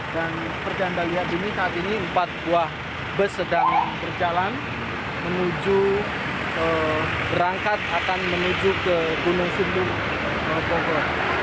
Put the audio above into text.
dan perjandaan lihat ini saat ini empat buah bus sedang berjalan menuju berangkat akan menuju ke gunung sindur bogor